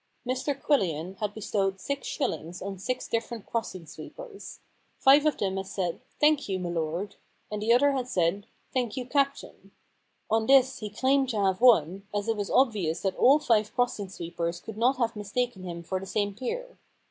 Mr Quillian had bestowed six shillings on six different crossing sweepers. Five of them had said, * Thank you, m*lord,' and the other had said, * Thank you. Captain.* On this he claimed to have won, as it was obvious that all five crossing sweepers could not have mis taken him for the same peer.